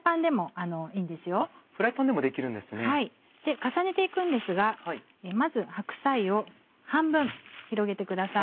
重ねて行くんですがまず白菜を半分広げてください。